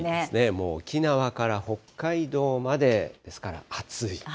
もう沖縄から北海道まで、ですから暑い。